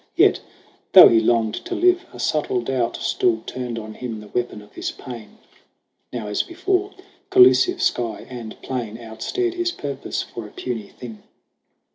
Yet, though he longed to live, a subtle doubt Still turned on him the weapon of his pain : Now, as before, collusive sky and plain Outstared his purpose for a puny thing.